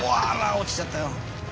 落ちちゃったよ！